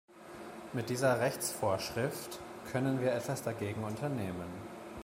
Mit dieser Rechtsvorschrift können wir etwas dagegen unternehmen.